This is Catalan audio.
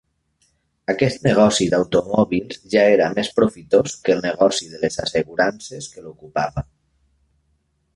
Aquest negoci d'automòbils ja era més profitós que el negoci de les assegurances que l'ocupava.